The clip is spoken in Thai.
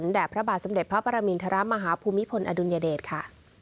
แด่พระบาทสมเด็จพระปรมินทรมาฮภูมิพลอดุลยเดชค่ะ